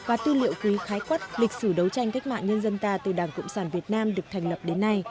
và tư liệu quý khái quát lịch sử đấu tranh cách mạng nhân dân ta từ đảng cộng sản việt nam được thành lập đến nay